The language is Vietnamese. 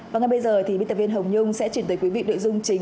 và ngay bây giờ thì biên tập viên hồng nhung sẽ chuyển tới quý vị nội dung chính